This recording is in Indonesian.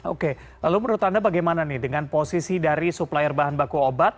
oke lalu menurut anda bagaimana nih dengan posisi dari supplier bahan baku obat